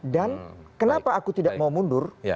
dan kenapa aku tidak mau mundur